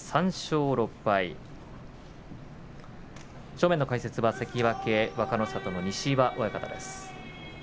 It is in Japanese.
正面の解説は元関脇若の里の西岩親方です。